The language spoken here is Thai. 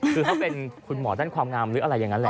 คือเขาเป็นคุณหมอด้านความงามหรืออะไรอย่างนั้นแหละ